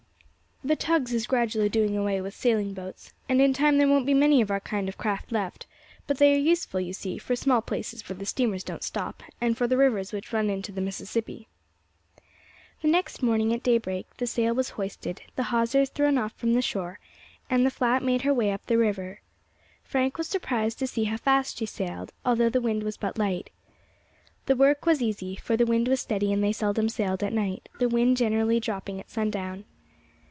The tugs is gradually doing away with sailing boats, and in time there won't be many of our kind of craft left; but they are useful, you see, for small places where the steamers don't stop, and for the rivers which run into the Mississippi." The next morning at daybreak the sail was hoisted, the hawsers thrown off from the shore, and the flat made her way up the river. Frank was surprised to see how fast she sailed, although the wind was but light. The work was easy, for the wind was steady and they seldom sailed at night, the wind generally dropping at sundown.